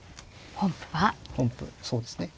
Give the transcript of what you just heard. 本譜はそうですね。